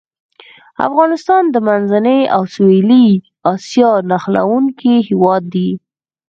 افغانستان د منځنۍ او سویلي اسیا نښلوونکی هېواد دی.